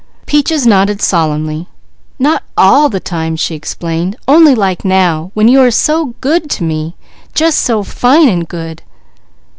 _" Peaches nodded solemnly. "Not all the time!" she explained. "Only like now, when you are so good to me. Jus' so fine and good."